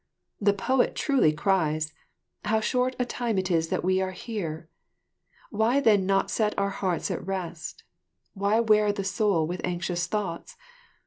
The poet truly cries: "How short a time it is that we are here! Why then not set our hearts at rest, why wear the soul with anxious thoughts?